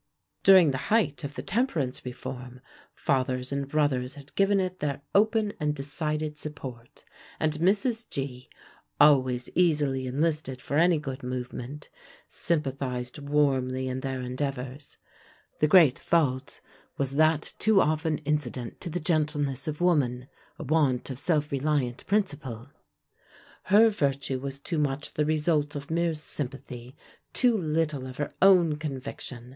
During the height of the temperance reform, fathers and brothers had given it their open and decided support, and Mrs. G. always easily enlisted for any good movement sympathized warmly in their endeavors. The great fault was, that too often incident to the gentleness of woman a want of self reliant principle. Her virtue was too much the result of mere sympathy, too little of her own conviction.